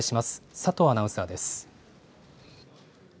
佐藤アナウンサーです。